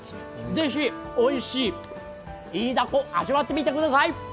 ぜひおいしいイイダコ、味わってみてください。